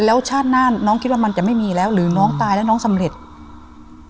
แล้วชาติหน้าน้องคิดว่ามันจะไม่มีแล้วหรือน้องตายแล้วน้องสำเร็จ